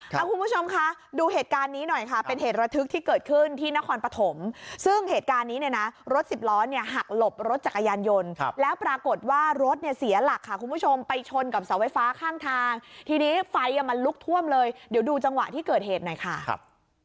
เอาคุณผู้ชมคะดูเหตุการณ์นี้หน่อยค่ะเป็นเหตุระทึกที่เกิดขึ้นที่นครปฐมซึ่งเหตุการณ์นี้เนี่ยนะรถสิบล้อเนี่ยหักหลบรถจักรยานยนต์แล้วปรากฏว่ารถเนี่ยเสียหลักค่ะคุณผู้ชมไปชนกับเสาไฟฟ้าข้างทางทีนี้ไฟอ่ะมันลุกท่วมเลยเดี๋ยวดูจังหวะที่เกิดเหตุหน่อยค่ะครับ